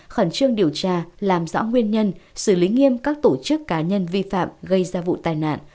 khẩn trương điều tra làm rõ nguyên nhân xử lý nghiêm các tổ chức cá nhân vi phạm gây ra vụ tai nạn